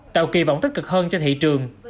tạo kỳ vọng tích cực hơn cho thị trường